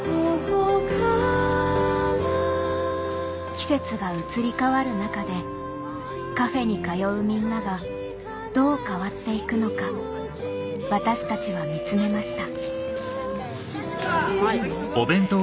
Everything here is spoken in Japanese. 季節が移り変わる中でカフェに通うみんながどう変わっていくのか私たちは見つめました